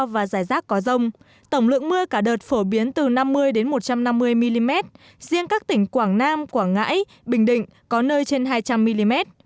và giải rác có rông tổng lượng mưa cả đợt phổ biến từ năm mươi một trăm năm mươi mm riêng các tỉnh quảng nam quảng ngãi bình định có nơi trên hai trăm linh mm